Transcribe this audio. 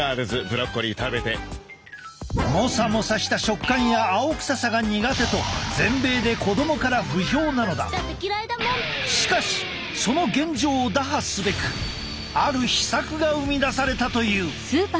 モサモサした食感や青臭さが苦手としかしその現状を打破すべくある秘策が生み出されたという。